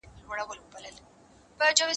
موږ چي ول دوی به بالا رانسي باره راغلل